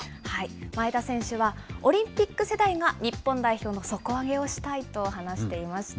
前田選手は、オリンピック世代が日本代表の底上げをしたいと話していました。